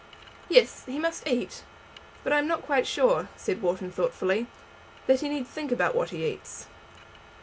"Yes; he must eat. But I am not quite sure," said Wharton thoughtfully, "that he need think about what he eats."